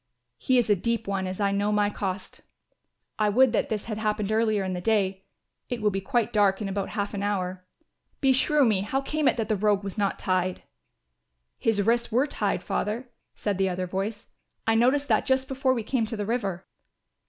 He is a deep one as I know to my cost. I would that this had happened earlier in the day. It will be quite dark in about half an hour. Beshrew me, how came it that the rogue was not tied?" "His wrists were tied, Father," said the other voice. "I noticed that just before we came to the river."